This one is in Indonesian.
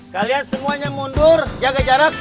kalian semuanya mundur jaga jarak